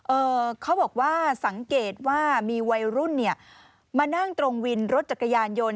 เอ่อเขาบอกว่าสังเกตว่ามีวัยรุ่นเนี่ยมานั่งตรงวินรถจักรยานยนต์